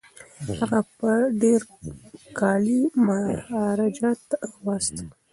هغه به ډیر کالي مهاراجا ته واستوي.